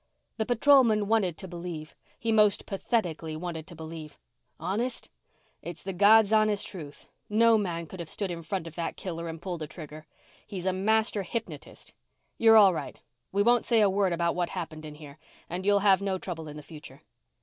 The patrolman wanted to believe. He most pathetically wanted to believe. "Honest?" "It's the God's honest truth. No man could have stood in front of that killer and pulled a trigger. He's a master hypnotist. You're all right. We won't say a word about what happened in here. And you'll have no trouble in the future."